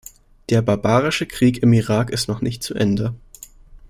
Der barbarische Krieg im Irak ist noch nicht zu Ende.